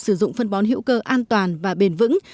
sử dụng phân bón hữu cơ an toàn và bền vững